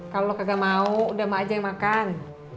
kalo lo kagak mau udah mak aja yang makan